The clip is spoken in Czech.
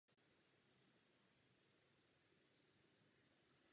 Odtud zamířil na přestup do Senice.